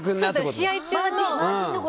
試合中の。